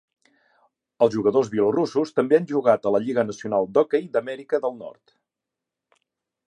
Els jugadors bielorussos també han jugat a la Lliga Nacional d'Hoquei d'Amèrica del Nord.